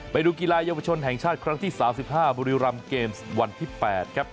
ไปดูกีฬาเยาวชนแห่งชาติครั้งที่๓๕บุรีรำเกมส์วันที่๘ครับ